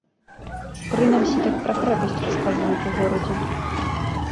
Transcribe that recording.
Прынамсі, так пра крэпасць расказваюць у горадзе.